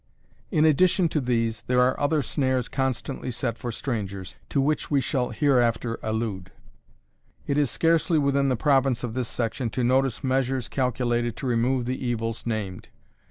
In addition to these, there are other snares constantly set for strangers, to which we shall hereafter allude. It is scarcely within the province of this section to notice measures calculated to remove the evils named.